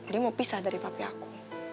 dia mau pisah dari papi aku